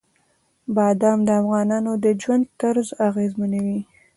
بادام د افغانانو د ژوند طرز اغېزمنوي.